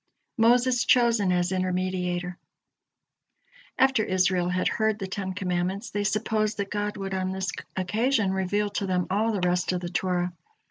MOSES CHOSEN AS INTERMEDIATOR After Israel had heard the Ten Commandments, they supposed that God would on this occasion reveal to them all the rest of the Torah.